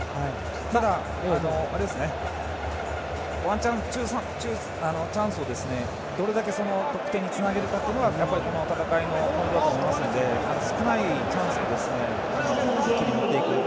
ただ、ワンチャンスをどれだけ得点につなげられるかがこの戦いのポイントだと思うので少ないチャンスで持っていく。